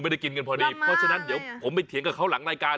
กินกันพอดีเพราะฉะนั้นเดี๋ยวผมไปเถียงกับเขาหลังรายการ